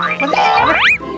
pak deh bentar pak deh